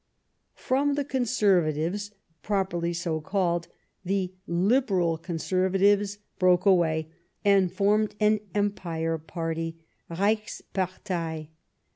From the Conservatives, properly so called, the Liberal Conservatives broke away and formed an Empire Party, Reichspartei.